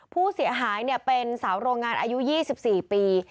ผู้เสียหายเป็นสาวโรงงานอายุ๒๔ปี